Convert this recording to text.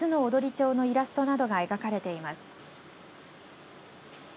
町のイラストなどが描かれています。